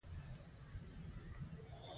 سکاره توږل شوي او استخراج ته چمتو شوي دي.